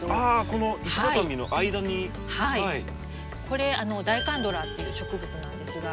これダイカンドラっていう植物なんですが。